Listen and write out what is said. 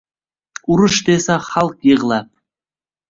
Urush desa xalq yig‘lab